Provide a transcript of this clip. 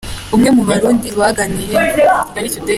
Umwe mu Barundi waganiye na kigalitoday.